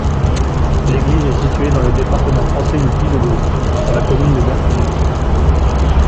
L'église est située dans le département français du Puy-de-Dôme, sur la commune de Bertignat.